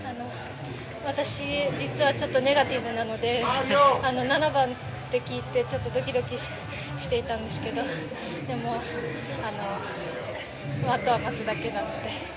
私、実はちょっとネガティブなので７番と聞いてドキドキしていたんですけどでも、あとは待つだけなので。